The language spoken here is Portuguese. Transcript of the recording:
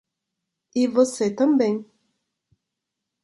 E você também.